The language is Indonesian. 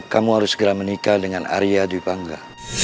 kamu harus segera menikah dengan arya dwi pangga